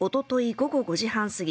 午後５時半過ぎ